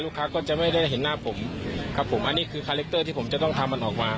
ก็จะไม่ได้เห็นหน้าผมครับผมอันนี้คือคาแรคเตอร์ที่ผมจะต้องทำมันออกมา